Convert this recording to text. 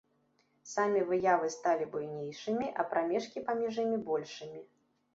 Самі выявы сталі буйнейшымі, а прамежкі паміж імі большымі.